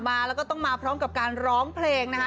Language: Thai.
มาแล้วก็ต้องมาพร้อมกับการร้องเพลงนะคะ